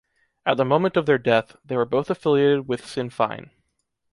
At the moment of their death, they were both affiliated with Sinn Féin.